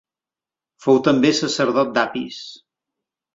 Fou també sacerdot d'Apis.